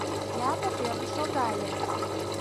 Япык ӧрын шогале.